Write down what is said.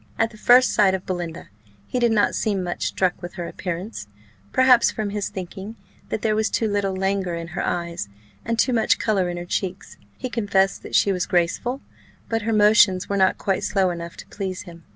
At the first sight of Belinda, he did not seem much struck with her appearance; perhaps, from his thinking that there was too little languor in her eyes, and too much colour in her cheeks; he confessed that she was graceful, but her motions were not quite slow enough to please him.